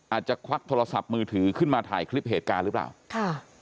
ควักโทรศัพท์มือถือขึ้นมาถ่ายคลิปเหตุการณ์หรือเปล่าค่ะ